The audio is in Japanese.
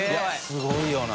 すごいよな。